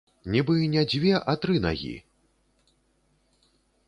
Нібы не дзве, а тры нагі.